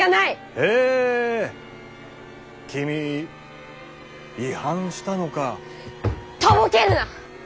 へえ君違反したのか。とぼけるなッ！